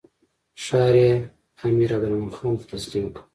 ښار یې امیر عبدالرحمن خان ته تسلیم کړ.